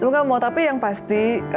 semoga yang mau tapi yang pasti